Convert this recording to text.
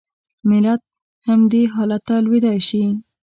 ملت هم دې حالت ته لوېدای شي.